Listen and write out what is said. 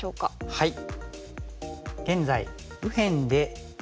はい。